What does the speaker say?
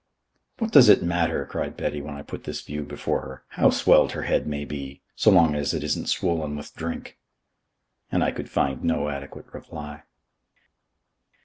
"What does it matter," cried Betty, when I put this view before her, "how swelled her head may be, so long as it isn't swollen with drink?" And I could find no adequate reply.